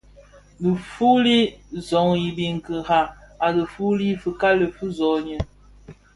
Dhifuli zoň i biňkira a dhituli, fikali fi soňi,